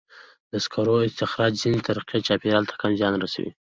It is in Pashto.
د سکرو د استخراج ځینې طریقې چاپېریال ته کم زیان رسوي.